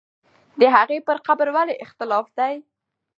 د هغې پر قبر ولې اختلاف دی؟